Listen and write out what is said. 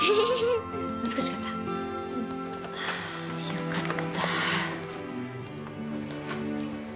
よかった。